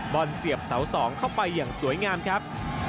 บอลเสียบเสา๒เข้าไปอย่างสวยงามครับ